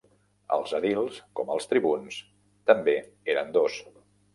Els edils, com els tribuns, també eren dos.